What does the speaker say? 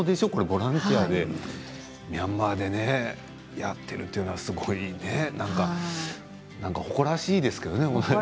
ボランティアでミャンマーでねやっているというのは、すごいねなんか誇らしいですけどね。